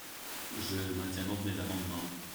Je maintiens donc mes amendements.